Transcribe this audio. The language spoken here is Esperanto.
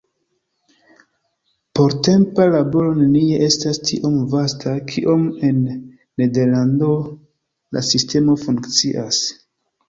Portempa laboro nenie estas tiom vasta, kiom en Nederlando la sistemo funkcias.